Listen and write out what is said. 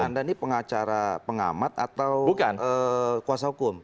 anda ini pengacara pengamat atau kuasa hukum